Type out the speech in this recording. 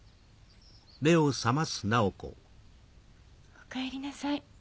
おかえりなさい。